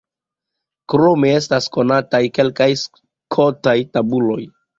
Krome estas konataj kelkaj skotaj tabuloj.